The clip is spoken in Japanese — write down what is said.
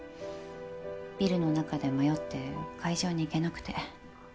ビルの中で迷って会場に行けなくて。